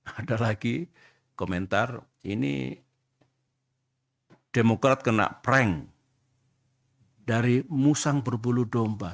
ada lagi komentar ini demokrat kena prank dari musang berbulu domba